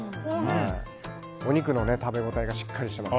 お肉の食べ応えがしっかりします。